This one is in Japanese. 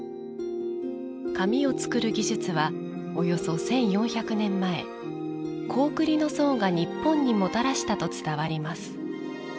紙を作る技術はおよそ１４００年前高句麗の僧が日本にもたらしたと伝わります。